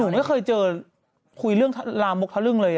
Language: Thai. ไม่เคยเจอคุยเรื่องลามกทะลึ่งเลย